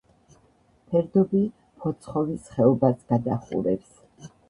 ფერდობი ფოცხოვის ხეობას გადაყურებს.